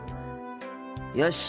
よし。